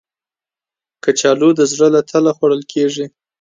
کچالو د زړه له تله خوړل کېږي